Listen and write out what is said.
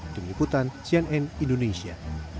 dengiputan cnn indonesia